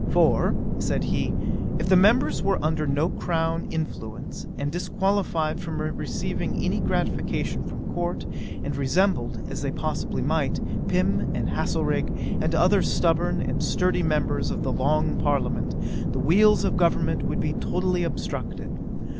"For, (said he,) if the members were under no crown influence, and disqualified from receiving any gratification from Court, and resembled, as they possibly might, Pym and Haslerig, and other stubborn and sturdy members of the long Parliament, the wheels of government would be totally obstructed.